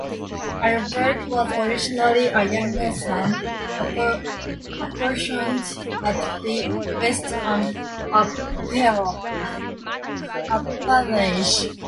Albert was originally a younger son, apportioned at best an appanage.